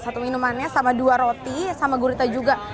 satu minumannya sama dua roti sama gurita juga